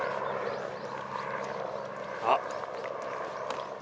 あっ。